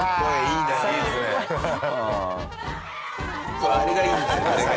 そうあれがいいんだよね。